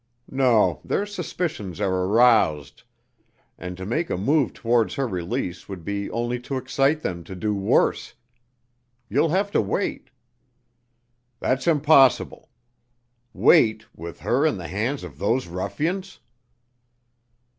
No, their suspicions are aroused, and to make a move towards her release would be only to excite them to do worse. You'll have to wait " "That's impossible. Wait, with her in the hands of those ruffians!"